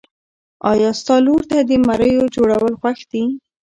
ایا ستا لور ته د مریو جوړول خوښ دي؟